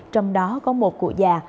trong đó có một cụ già